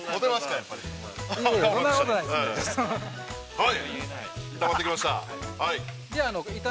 ◆はい。